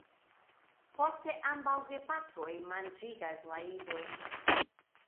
Poste ambaŭ gepatroj manĝigas la idojn.